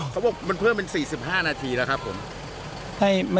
เขาบอกมันเพิ่มเป็น๔๕นาทีแล้วครับผม